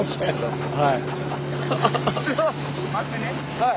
はい。